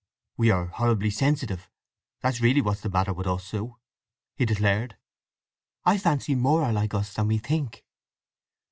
"We are horribly sensitive; that's really what's the matter with us, Sue!" he declared. "I fancy more are like us than we think!"